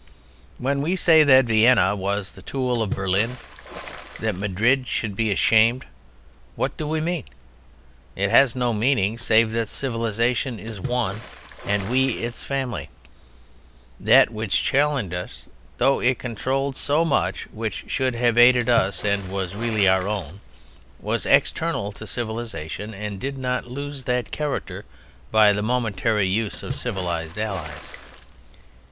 When we say that Vienna was the tool of Berlin, that Madrid should be ashamed, what do we mean? It has no meaning save that civilization is one and we its family: That which challenged us, though it controlled so much which should have aided us and was really our own, was external to civilization and did not lose that character by the momentary use of civilized Allies.